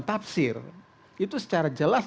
tafsir itu secara jelas